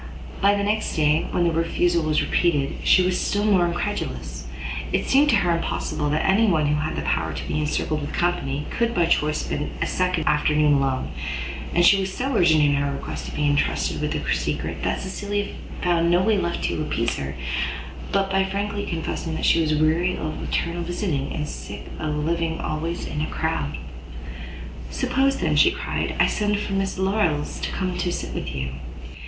But the next day, when the refusal was repeated, she was still more incredulous; it seemed to her impossible that any one who had the power to be encircled with company, could by choice spend a second afternoon alone: and she was so urgent in her request to be entrusted with the secret, that Cecilia found no way left to appease her, but by frankly confessing she was weary of eternal visiting, and sick of living always in a crowd. "Suppose, then," cried she, "I send for Miss Larolles to come and sit with you?"